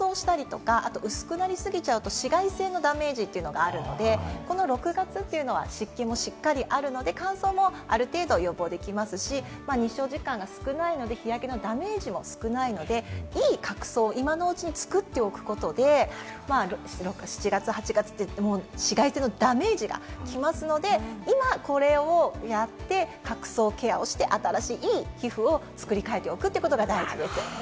乾燥したりとか、薄くなりすぎちゃうと紫外線のダメージがあるので、この６月は湿気もしっかりあるので、乾燥もある程度、予防できますし、日照時間が少ないので日焼けのダメージも少ないのでいい角層を今のうちに作っておくことで、７月や８月、紫外線のダメージが来ますので、今これをやって、角層ケアをして、新しい皮膚を作りかえておくことが大事です。